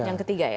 yang ketiga ya